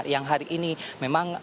yang hari ini memang